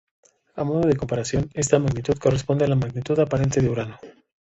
A modo de comparación, esta magnitud corresponde a la magnitud aparente de Urano.